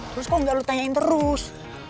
terus kok nggak lu tanyain terus